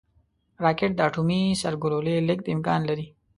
راکټ د اټومي سرګلولې لیږد امکان لري